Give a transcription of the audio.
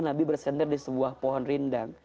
nabi bersandar di sebuah pohon rindang